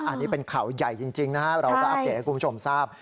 อันนี้เป็นข่าวใหญ่จริงนะครับเราก็อัปเดตให้คุณผู้ชมทราบ